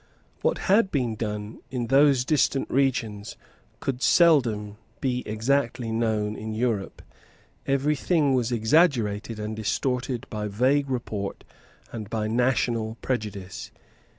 What had been done in those distant regions could seldom be exactly known in Europe. Every thing was exaggerated and distorted by vague report and by national prejudice.